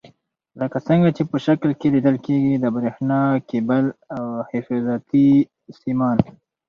لکه څنګه چې په شکل کې لیدل کېږي د برېښنا کیبل او حفاظتي سیمان.